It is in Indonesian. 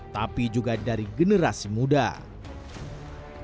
tapi juga dari pemerintahan masyarakat dan juga dari pemerintahan masyarakat